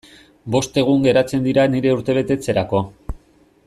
Bost egun geratzen dira nire urtebetetzerako.